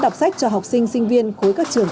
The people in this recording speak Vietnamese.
đọc sách cho học sinh sinh viên khối các trường